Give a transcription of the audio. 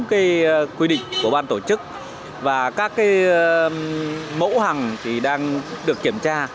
các quy định của ban tổ chức và các mẫu hàng thì đang được kiểm tra